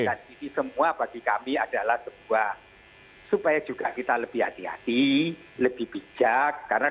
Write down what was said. dan ini semua bagi kami adalah sebuah supaya juga kita lebih hati hati lebih bijak karena